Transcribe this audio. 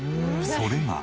それが。